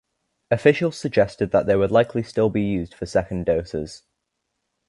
Officials suggested they would likely still be used for second doses.